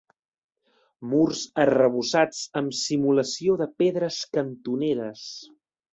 Murs arrebossats amb simulació de pedres cantoneres.